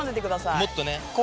もっとね。